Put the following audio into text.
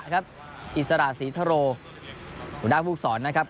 ครับอิสรศรีทรวทรุดนักภูกษรนะครับ